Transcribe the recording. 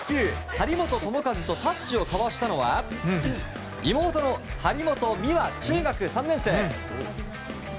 張本智和とタッチを交わしたのは妹の張本美和中学３年生。